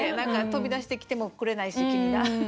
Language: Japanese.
飛び出してきてもくれないし君が。